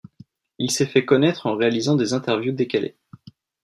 Il s'est fait connaître en réalisant des interviews décalées.